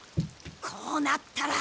こうなったら。